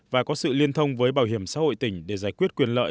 và có sự liên thông với bảo hiểm xã hội tỉnh để giải quyết quyền lợi